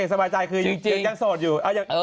สบายใจคือยังโสดอยู่